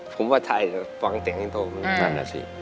ผมว่าใช่วางเถียงอินทโทมันเป็นมันอันนั้นแหละสิ